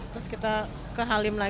terus kita ke halim